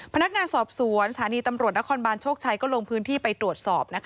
พนักงานสอบสวนสถานีตำรวจนครบานโชคชัยก็ลงพื้นที่ไปตรวจสอบ